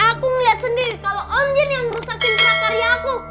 aku ngeliat sendiri kalo om jin yang ngerusakin prakarya aku